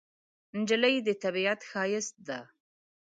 نجلۍ د طبیعت ښایست ده.